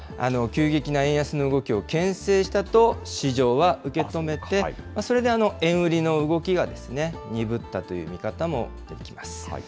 急激な円安の動きをけん制したと市場は受け止めて、それで円売りの動きが鈍ったという見方もできます。